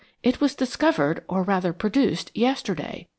It was discovered, or rather, produced, yesterday.